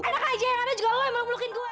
ada kajian yang ada juga lo yang meluk melukin gue